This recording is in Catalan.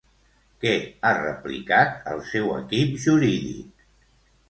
Què ha replicat el seu equip jurídic?